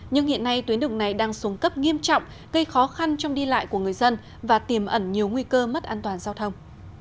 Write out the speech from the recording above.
nhưng hiện nay tuyến đường này đang xuống cấp nghiêm trọng gây khó khăn trong đi lại của người dân và tiềm ẩn nhiều nguy cơ mất an toàn giao thông